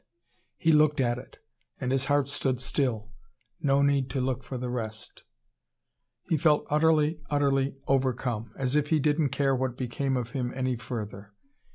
He looked at it, and his heart stood still. No need to look for the rest. He felt utterly, utterly overcome as if he didn't care what became of him any further.